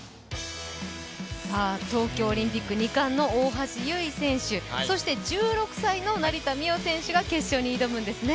東京オリンピック２冠の大橋悠依選手、そして１６歳の成田実生選手が決勝に挑むんですね。